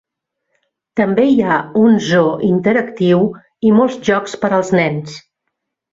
També hi ha un zoo interactiu i molts jocs per als nens.